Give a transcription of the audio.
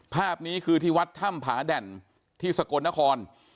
ภาพนี้คือที่วัดถ้ำผาแด่นที่สกลนคร